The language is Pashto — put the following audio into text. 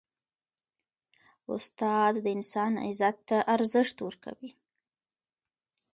استاد د انسان عزت ته ارزښت ورکوي.